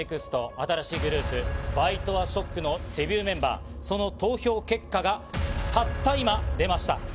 新しいグループ、ＢｉＴＥＡＳＨＯＣＫのデビューメンバー、その投票結果が、たった今、出ました。